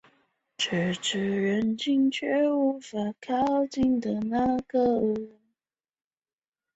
此处北辰路及奥林匹克公园中轴广场上跨四环路。